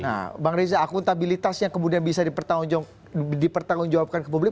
nah bang rizie akuntabilitasnya kemudian bisa dipertanggung jawabkan ke publik